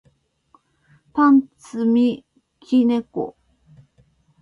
パンツ積み木猫